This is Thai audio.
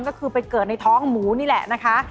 ก็คือไปเกิดในท้องหมูนี่แหละนะคะ